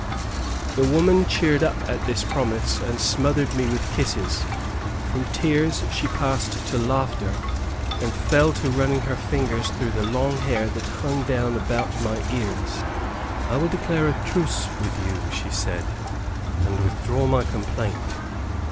The woman cheered up at this promise, and smothered me with kisses; from tears she passed to laughter, and fell to running her fingers through the long hair that hung down about my ears. "I will declare a truce with you," she said, "and withdraw my complaint.